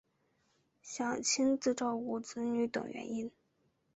想亲自照顾子女等原因